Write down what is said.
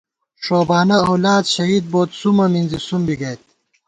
ݭوبانہ اولادشہید بوئیت، سُومہ مِنزی سُم بی گئیت